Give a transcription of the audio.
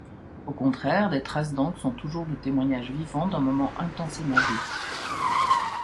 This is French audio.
Au contraire, des traces d'encre sont toujours le témoignage vivant d'un moment intensément vécu.